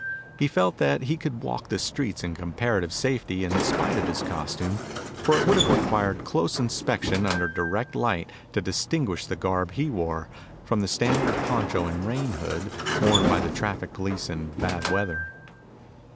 He felt that he could walk the streets in comparative safety in spite of his costume, for it would have required close inspection under direct light to distinguish the garb he wore from the standard poncho and rain hood worn by the traffic police in bad weather.